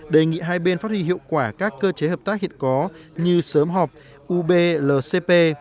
đề nghị hai bên phát huy hiệu quả các cơ chế hợp tác hiện có như sớm họp ub lcp